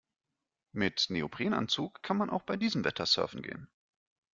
Mit Neoprenanzug kann man auch bei diesem Wetter surfen gehen.